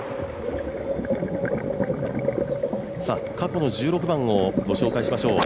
過去の１６番をご紹介しましょう。